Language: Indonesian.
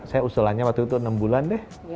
saya usulannya waktu itu enam bulan deh